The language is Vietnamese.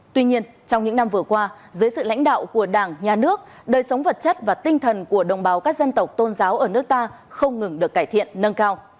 tuy nhiên trong những năm vừa qua dưới sự lãnh đạo của đảng nhà nước đời sống vật chất và tinh thần của đồng bào các dân tộc tôn giáo ở nước ta không ngừng được cải thiện nâng cao